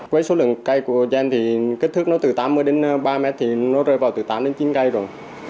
với số lượng cây của gen thì kích thước nó từ tám mươi ba m thì nó rơi vào từ tám chín cây rồi